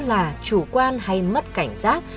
tức là chủ quan hay mất cảnh giác